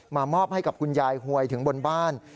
มอบให้กับคุณยายหวยถึงบนบ้าน